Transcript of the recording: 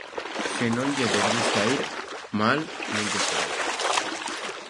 _Se non lle desgusta ir... mal non lle fará.